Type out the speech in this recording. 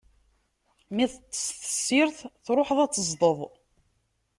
Mi teṭṭes tessirt, tṛuḥeḍ ad teẓdeḍ.